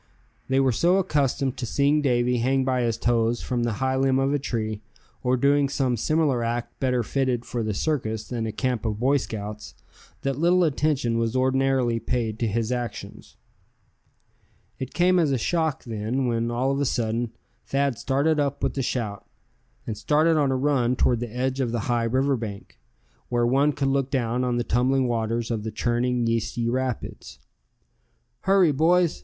They were so accustomed to seeing Davy hang by his toes from the high limb of a tree, or doing some similar act better fitted for the circus than a camp of Boy Scouts, that little attention was ordinarily paid to his actions. It came as a shock, then, when all of a sudden Thad started up with a shout, and started on a run toward the edge of the high river bank, where one could look down on the tumbling waters of the churning yeasty rapids. "Hurry, boys!"